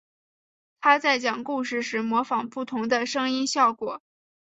他在讲故事时模仿不同的声音效果。